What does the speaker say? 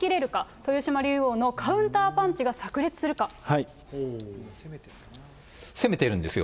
豊島竜王のカウンターパンチがさ攻めてるんですよ。